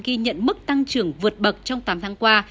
ghi nhận mức tăng trưởng vượt bậc trong tám tháng qua